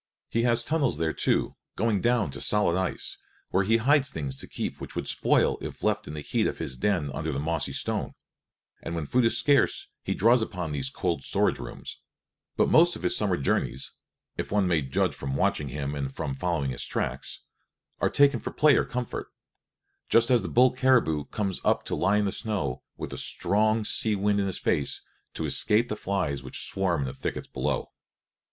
He has tunnels there, too, going down to solid ice, where he hides things to keep which would spoil if left in the heat of his den under the mossy stone, and when food is scarce he draws upon these cold storage rooms; but most of his summer snow journeys, if one may judge from watching him and from following his tracks, are taken for play or comfort, just as the bull caribou comes up to lie in the snow, with the strong sea wind in his face, to escape the flies which swarm in the thickets below.